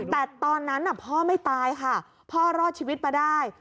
แต่ตอนนั้นพ่อไม่ตายค่ะพ่อรอดชีวิตมาได้